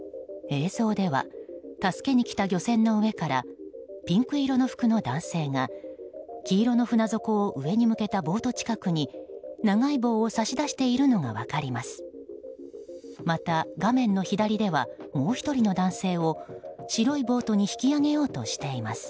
映像では助けに来た漁船の上からピンク色の服の男性が黄色の船底を上に向けたボート近くに長い棒を差し出しているのが分かります。